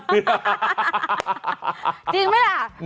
จริงไหมล่ะ